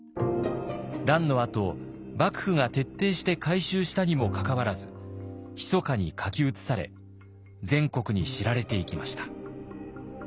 乱のあと幕府が徹底して回収したにもかかわらずひそかに書き写され全国に知られていきました。